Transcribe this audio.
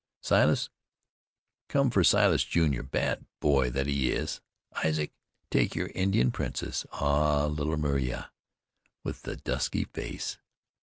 Silas, come for Silas junior, bad boy that he is. Isaac, take your Indian princess; ah! little Myeerah with the dusky face.